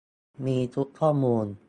มีชุดข้อมูล